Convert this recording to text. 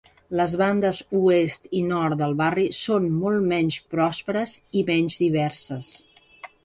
Les bandes oest i nord del barri són molt menys pròsperes i menys diverses.